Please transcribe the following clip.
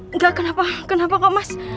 enggak kenapa kok mas